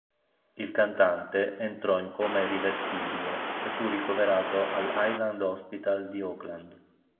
Il cantante entrò in coma irreversibile e fu ricoverato al Highland Hospital di Oakland.